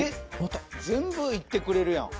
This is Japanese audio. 全部行ってくれるやん。